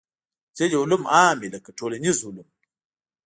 ځینې علوم عام وي لکه ټولنیز علوم.